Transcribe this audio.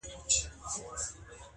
• پسرلی نسته ملیاره چي رانه سې -